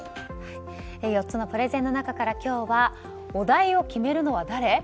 ４つのプレゼンの中から今日はお題を決めるのは誰？